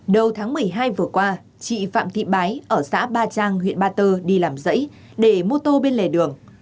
đầu tháng một mươi hai vừa qua chị phạm thị bái ở xã ba trang huyện ba tơ đi làm dãy để mô tô bên lề đường